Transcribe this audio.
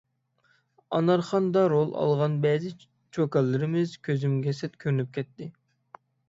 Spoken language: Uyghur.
«ئانارخان»دا رول ئالغان بەزى چوكانلىرىمىز كۆزۈمگە سەت كۆرۈنۈپ كەتتى.